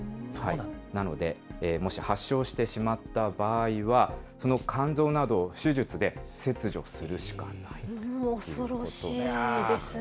なので、もし発症してしまった場合は、その肝臓などを手術で切除するしかないということなんですね。